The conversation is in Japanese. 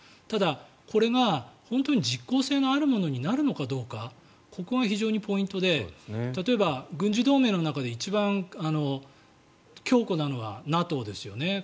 ただ、これが本当に実効性のあるものになるのかどうかここが非常にポイントで例えば軍事同盟の中で一番強固なのはＮＡＴＯですよね。